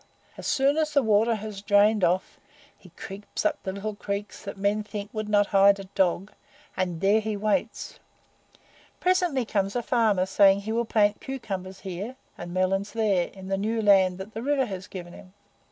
As soon as the water has drained off, he creeps up the little creeks that men think would not hide a dog, and there he waits. Presently comes a farmer saying he will plant cucumbers here, and melons there, in the new land that the river has given him.